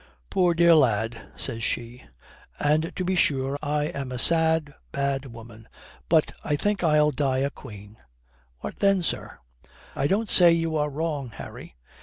"'Poor, dear lad,' says she, 'and to be sure I am a sad, bad woman. But I think I'll die a queen.' What then, sir?" "I don't say you are wrong, Harry.